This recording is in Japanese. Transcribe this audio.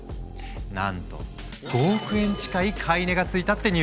なんと５億円近い買い値がついたってニュースも！